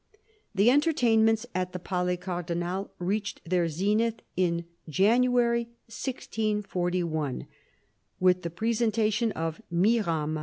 The entertainments at the Palais Cardinal reached their zenith in January 1641, with the representation of Mirame.